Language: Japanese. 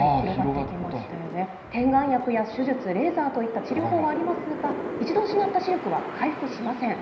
点眼薬や手術、レーザーといった治療法はありますが、一度失った視力は回復しません。